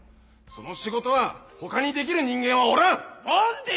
その仕事は他にできる人間はおらん！